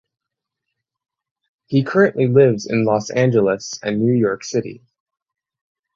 He currently lives in Los Angeles and New York City.